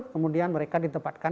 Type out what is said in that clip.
kemudian mereka ditempatkan